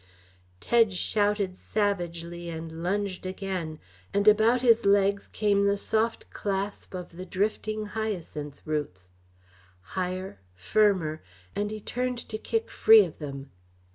Tedge shouted savagely and lunged again and about his legs came the soft clasp of the drifting hyacinth roots. Higher, firmer; and he turned to kick free of them.